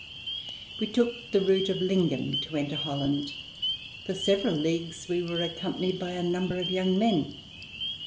We took the route of Lingen to enter Holland. For several leagues we were accompanied by a number of young men.